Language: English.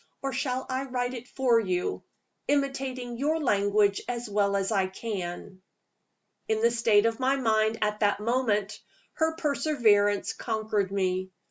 Or shall I write it for you, imitating your language as well as I can?" In the state of my mind at that moment, her perseverance conquered me.